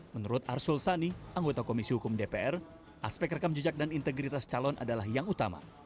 menurut arsul sani anggota komisi hukum dpr aspek rekam jejak dan integritas calon adalah yang utama